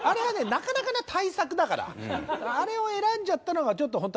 なかなかな大作だからあれを選んじゃったのがちょっとほんと